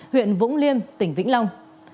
huyện vũng liêm tỉnh vĩnh long